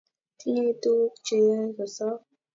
tinyei tuguk cheyoe kosop